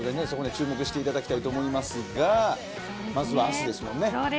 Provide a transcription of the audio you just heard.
そこに注目していただきたいと思いますがまずは明日ですよね。